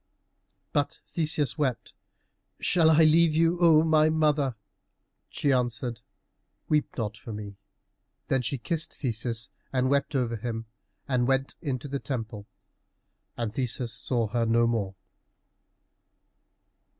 But Theseus wept, "Shall I leave you, O my mother?" She answered, "Weep not for me." Then she kissed Theseus and wept over him, and went into the temple, and Theseus saw her no more.